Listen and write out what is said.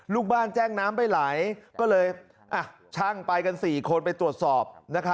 ลูกบ้านแจ้งน้ำไม่ไหลก็เลยช่างไปกัน๔คนไปตรวจสอบ